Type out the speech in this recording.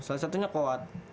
salah satunya kowat